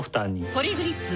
ポリグリップ